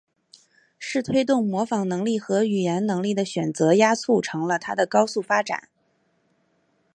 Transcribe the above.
是推动模仿能力和语言能力的选择压促成了它的高速发展。